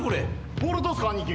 ボールどうっすか兄貴。